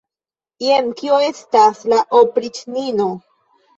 Jen kio estas la opriĉnino!